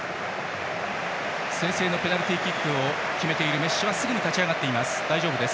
先制のペナルティーキックを決めているメッシはすぐに立ち上がっています。